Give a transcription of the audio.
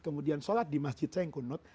kemudian sholat di masjid saya yang kunud